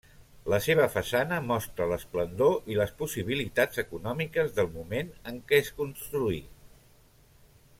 La seva façana mostra l'esplendor i les possibilitats econòmiques del moment en què es construí.